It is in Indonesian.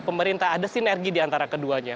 pemerintah ada sinergi diantara keduanya